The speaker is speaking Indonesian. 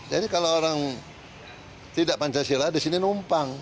jadi kalau orang tidak pancasila di sini numpang